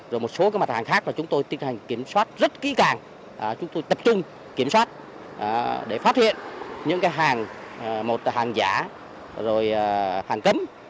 rồi một số mặt hàng khác là chúng tôi tiến hành kiểm soát rất kỹ càng chúng tôi tập trung kiểm soát để phát hiện những hàng giả hàng cấm